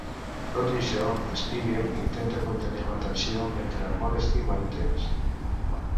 Tot i això, Spiegel intenta contenir la tensió mentre Modesty guanya temps.